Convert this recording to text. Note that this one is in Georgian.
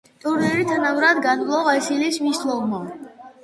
ტურნირი თანაბრად განვლო ვასილი სმისლოვმა.